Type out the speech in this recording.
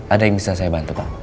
ada yang bisa saya bantu pak